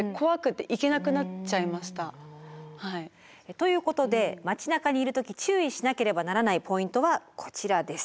ということで街なかにいる時注意しなければならないポイントはこちらです。